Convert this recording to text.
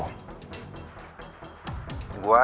nanti aku akan beritahu